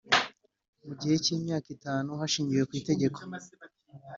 mu gihe cy imyaka itanu hashingiwe ku Itegeko